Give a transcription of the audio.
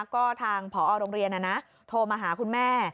ก็ทางผอโรงเรียนโทรมาหาคุณแม่